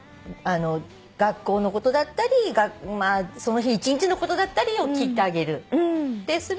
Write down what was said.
学校のことだったりその日一日のことだったりを聞いてあげる。